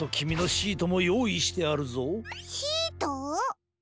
シート？